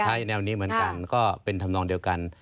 ใช้แนวนี้เหมือนกันก็เป็นธรรมนองเดียวกัน